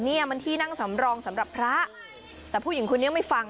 เนี่ยมันที่นั่งสำรองสำหรับพระแต่ผู้หญิงคนนี้ไม่ฟัง